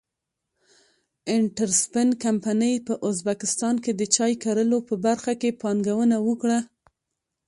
انټرسپن کمپنۍ په ازبکستان کې د چای کرلو په برخه کې پانګونه وکړه.